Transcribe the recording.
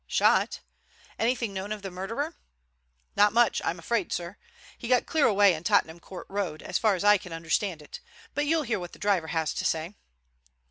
"Shot? Anything known of the murderer?" "Not much, I'm afraid, sir. He got clear away in Tottenham Court Road, as far as I can understand it. But you'll hear what the driver has to say."